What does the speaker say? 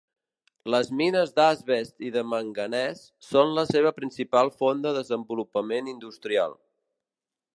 Les mines d'asbest i de manganès són la seva principal font de desenvolupament industrial.